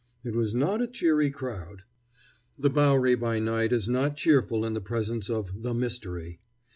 It was not a cheery crowd. The Bowery by night is not cheerful in the presence of The Mystery.